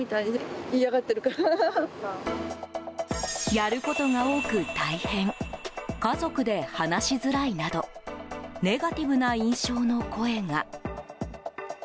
やることが多く大変家族で話しづらいなどネガティブな印象の声が。